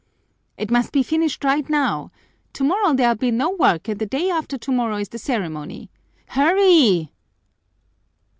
"It must be finished right now! Tomorrow there'll be no work and the day after tomorrow is the ceremony. Hurry!"